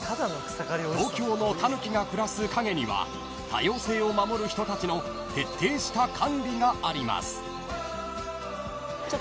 ［東京のタヌキが暮らす陰には多様性を守る人たちの徹底した管理があります］